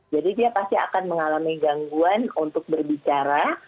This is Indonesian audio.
jadi dia pasti akan mengalami gangguan untuk berbicara